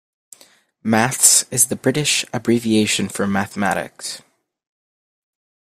Maths is the British abbreviation for mathematics